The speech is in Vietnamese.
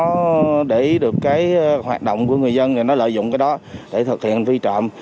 nó để ý được cái hoạt động của người dân thì nó lợi dụng cái đó để thực hiện phi trộm